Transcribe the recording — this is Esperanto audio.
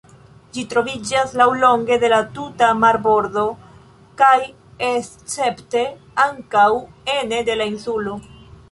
Ĝi troviĝas laŭlonge de la tuta marbordo kaj escepte ankaŭ ene de la insulo.